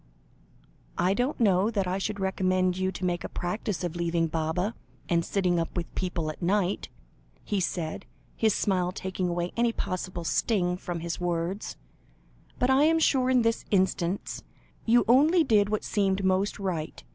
"I don't know that I should recommend you to make a practice of leaving Baba, and sitting up with people at night," he said, his smile taking away any possible sting from his words; "but I am sure in this instance, you only did what seemed most right.